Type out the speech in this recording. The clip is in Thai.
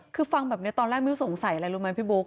คือฟังแบบนี้ตอนแรกมิ้วสงสัยอะไรรู้ไหมพี่บุ๊ค